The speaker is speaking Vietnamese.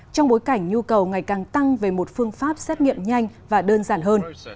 trong bối cảnh nhu cầu ngày càng tăng về một phương pháp xét nghiệm nhanh và đơn giản hơn